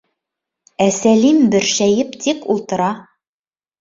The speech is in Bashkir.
Ә Сәлим бөршәйеп тик ултыра.